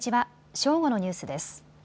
正午のニュースです。